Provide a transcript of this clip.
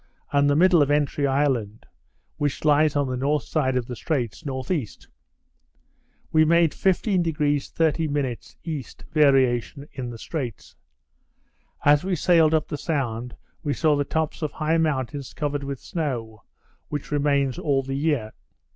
and the middle of Entry Island (which lies on the north side of the straits) N.E. We made 15° 30' E., variation in the straits. As we sailed up the sound we saw the tops of high mountains covered with snow, which remains all the year.